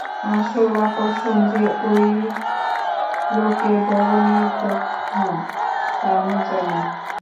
আসল আকর্ষণ যে ঐ লোকের বড় নীল চোখ না, তা আমি জানি।